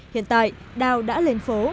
hiện tại đào đã lên phố